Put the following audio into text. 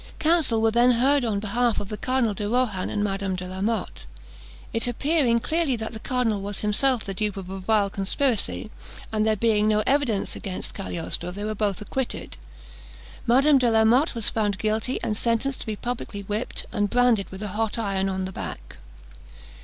Counsel were then heard on behalf of the Cardinal de Rohan and Madame de la Motte. It appearing clearly that the cardinal was himself the dupe of a vile conspiracy, and there being no evidence against Cagliostro, they were both acquitted. Madame de la Motte was found guilty, and sentenced to be publicly whipped, and branded with a hot iron on the back.